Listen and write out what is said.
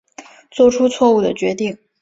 做出错误的决定